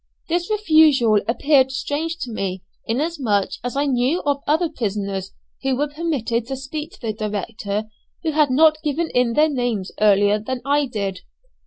This refusal appeared strange to me, inasmuch as I knew of other prisoners who were permitted to speak to the director who had not given in their names earlier than I did.